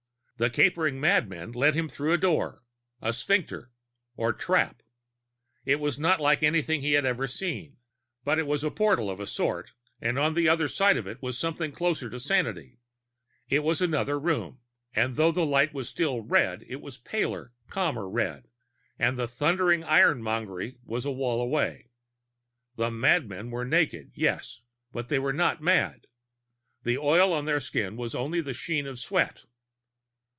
The capering madmen led him through a door or sphincter or trap; it was not like anything he had ever seen. But it was a portal of a sort, and on the other side of it was something closer to sanity. It was another room, and though the light was still red, it was a paler, calmer red and the thundering ironmongery was a wall away. The madmen were naked, yes, but they were not mad. The oil on their skins was only the sheen of sweat.